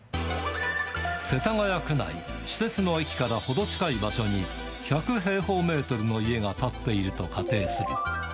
世田谷区内、私鉄の駅から程近い場所に１００平方メートルの家が建っていると仮定する。